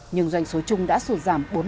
nhưng doanh số chung đã sụt giảm